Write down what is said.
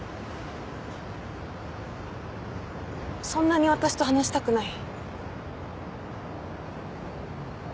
そんなに私と話したくない？